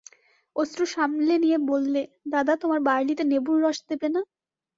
অশ্রু সামলে নিয়ে বললে, দাদা, তোমার বার্লিতে নেবুর রস দেবে না?